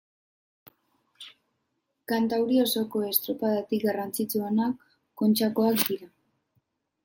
Kantauri osoko estropadarik garrantzitsuenak Kontxakoak dira.